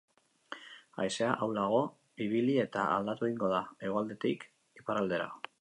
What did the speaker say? Haizea ahulago ibili eta aldatu egingo da, hegoaldetik iparraldera.